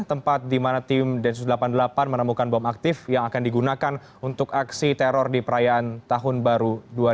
tempat di mana tim densus delapan puluh delapan menemukan bom aktif yang akan digunakan untuk aksi teror di perayaan tahun baru dua ribu delapan belas